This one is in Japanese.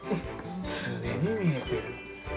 常に見えてる。